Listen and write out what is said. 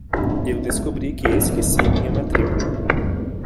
Eu descobri que esqueci minha matrícula.